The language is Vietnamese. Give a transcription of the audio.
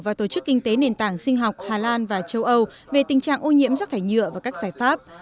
và tổ chức kinh tế nền tảng sinh học hà lan và châu âu về tình trạng ô nhiễm rác thải nhựa và các giải pháp